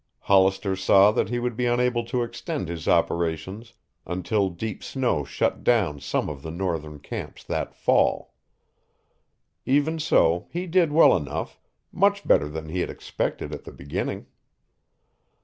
Hollister saw that he would be unable to extend his operations until deep snow shut down some of the northern camps that fall. Even so he did well enough, much better than he had expected at the beginning.